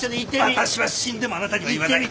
私は死んでもあなたには言わない。